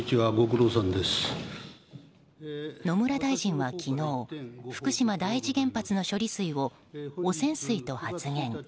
野村大臣は昨日福島第一原発の処理水を汚染水と発言。